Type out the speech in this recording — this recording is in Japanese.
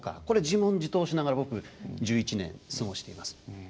これ自問自答しながら僕１１年過ごしています。